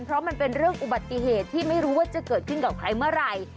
เพราะมันเป็นเรื่องอุบัติเหตุที่ไม่รู้ว่าจะเกิดขึ้นกับใครเมื่อไหร่